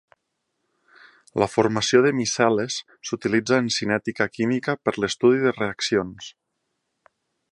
La formació de micel·les s’utilitza en cinètica química per l’estudi de reaccions.